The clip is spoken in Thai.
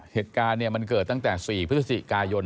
เหตุการณ์มันเกิดตั้งแต่๔พฤศจิกายน